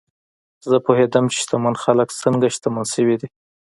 زه پوهېدم چې شتمن خلک څنګه شتمن شوي دي.